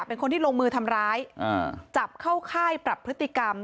เป็นคนที่ลงมือทำร้ายอ่าจับเข้าค่ายปรับพฤติกรรม